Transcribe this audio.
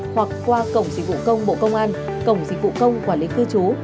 hoặc qua cổng dịch vụ công bộ công an cổng dịch vụ công quản lý cư trú